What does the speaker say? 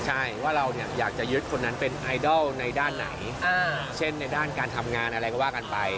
ใช่ว่าเราอยากจะยึดคนนั้นเป็นไอดอลในด้านไหนเช่นในด้านการทำงานอะไรก็ว่ากันไป